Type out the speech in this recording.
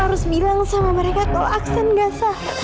aku harus bilang sama mereka tolak aksen gak sama